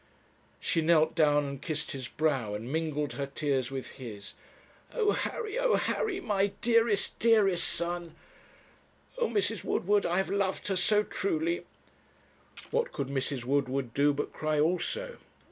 She knelt down and kissed his brow, and mingled her tears with his. 'Oh, Harry oh, Harry! my dearest, dearest son!' 'Oh, Mrs. Woodward, I have loved her so truly.' What could Mrs. Woodward do but cry also?